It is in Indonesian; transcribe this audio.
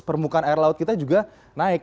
permukaan air laut kita juga naik